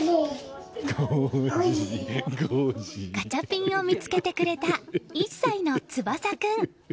ガチャピンを見つけてくれた１歳の翼君。